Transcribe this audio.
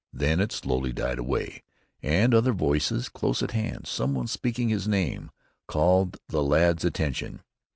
Then it slowly died away, and other voices, close at hand, someone speaking his name, called the lad's attention.